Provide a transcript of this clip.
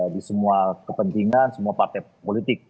di semua kepentingan semua partai politik